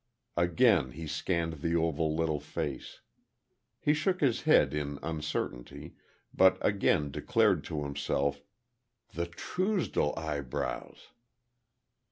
Again he scanned the oval little face. He shook his head in uncertainty, but again declared to himself, "The Truesdell eyebrows!"